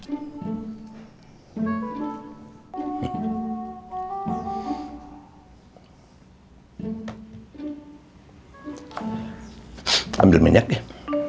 ambil minyak deh